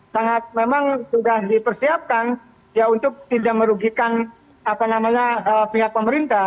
sangat memang sudah dipersiapkan ya untuk tidak merugikan pihak pemerintah